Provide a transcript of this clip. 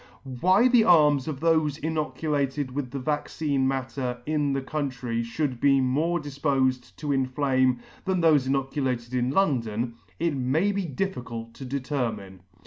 Why the arms of thofe inoculated with the vaccine matter in the country fliould be more difpofed to inflame than thofe inoculated in London, it may be difficult to determine.